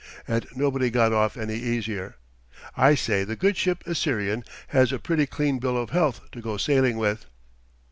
And nobody got off any easier. I say the good ship Assyrian has a pretty clean bill of health to go sailing with."